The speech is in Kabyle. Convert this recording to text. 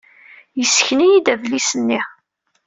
Yessken-iyi-d adlis-nni.